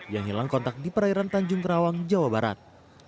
yang hilang kontak di perairan tanjung kerawang jawa barat